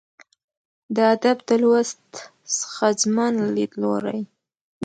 'د ادب د لوست ښځمن ليدلورى